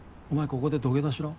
ここで土下座しろ。